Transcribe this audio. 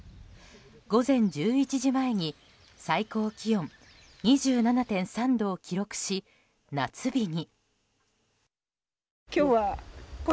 午前１１時前に最高気温２７．３度を記録し夏日に。